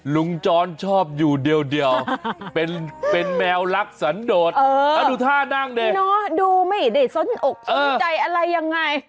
ลุงจอนชอบอยู่เดียวเดียวเป็นเป็นแมวรักสันโดดเออแล้วดูท่านั่งเนี่ยเนาะดูไหมเนี่ยส้นอกสนใจอะไรยังไง